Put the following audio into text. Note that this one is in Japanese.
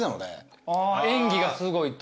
演技がすごいと。